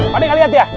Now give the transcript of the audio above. pak deh kalian lihat ya